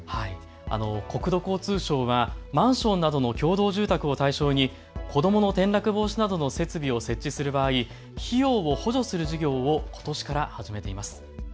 国土交通省はマンションなどの共同住宅を対象に子どもの転落防止などの設備を設置する場合、費用を補助する事業をことしから始めています。